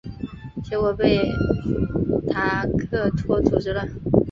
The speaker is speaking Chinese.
结果被达克托阻止了。